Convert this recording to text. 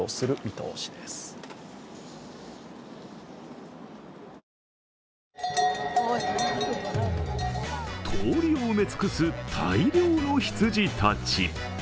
通りを埋め尽くす大量の羊たち。